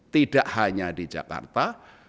tidak hanya di jakarta